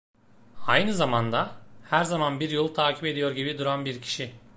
Aynı zamanda, her zaman bir yolu takip ediyor gibi duran bir kişi.